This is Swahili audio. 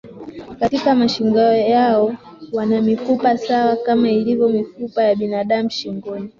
Katika mashingo yao wana mifupa sawa kama ilivyo mifupa ya binaadamu shingoni